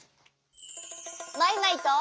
マイマイと。